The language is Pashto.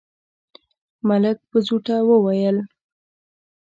ملک په زوټه وويل: